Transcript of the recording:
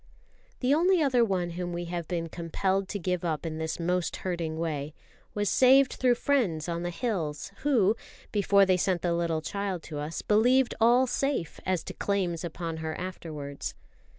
The only other one whom we have been compelled to give up in this most hurting way was saved through friends on the hills, who, before they sent the little child to us, believed all safe as to claims upon her afterwards.